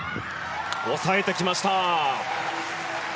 抑えてきました。